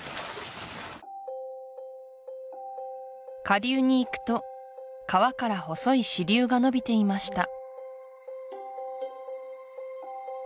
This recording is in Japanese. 下流に行くと川から細い支流がのびていました